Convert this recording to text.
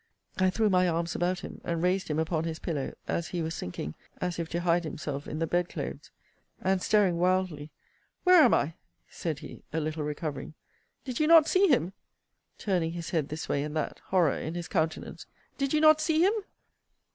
I threw my arms about him, and raised him upon his pillow, as he was sinking (as if to hide himself) in the bed clothes And staring wildly, Where am I? said he, a little recovering. Did you not see him? turning his head this way and that; horror in his countenance; Did you not see him?